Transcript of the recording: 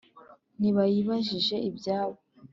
ntibayibajije ibyabo